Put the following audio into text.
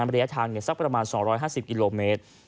ระยะทางสักประมาณ๒๕๐กิโลเมตร